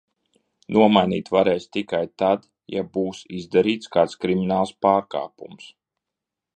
Nomainīt varēs tikai tad, ja būs izdarīts kāds krimināls pārkāpums.